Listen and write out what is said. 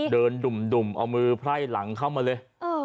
ดุ่มเอามือไพร่หลังเข้ามาเลย